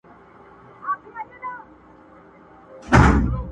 ایله چي په امان دي له واسکټه سوه وګړي!.